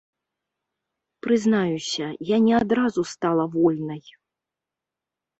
Прызнаюся, я не адразу стала вольнай.